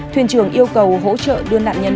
thuyền trưởng yêu cầu hỗ trợ đưa nạn nhân